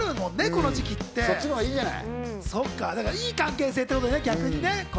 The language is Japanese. この時期って良い関係性ってことね、逆に。